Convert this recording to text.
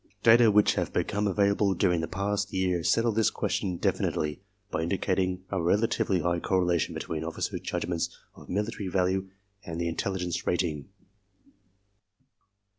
Data which have become available during the past yeaj' settle this question definitely by indicating a rela tively high correlation between officers* judgments of military value and the intelligence rating.